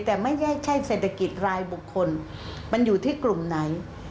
แต่ไม่ใช่เศรษฐกิจรายบุคคลมันอยู่ที่กลุ่มไหน